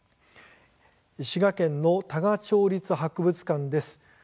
滋賀県の多賀町立博物館です。